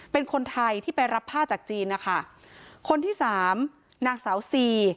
เป็นคนไทยที่ไปรับผ้าจากจีนนะคะคนที่สามนางสาวซี